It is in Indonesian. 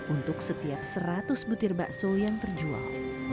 untuk setiap seratus butir bakso yang terjual